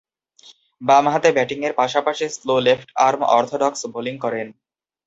বামহাতে ব্যাটিংয়ের পাশাপাশি slow left arm orthodox bowling করেন।